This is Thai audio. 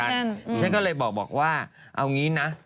ฉันก็เลยบอกว่าเอางี้นะ